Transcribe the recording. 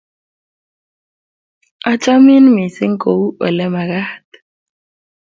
Achamin missing' kou olemagat.